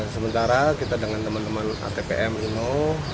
sementara kita dengan teman teman atpm ini